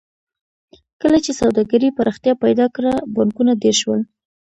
کله چې سوداګرۍ پراختیا پیدا کړه بانکونه ډېر شول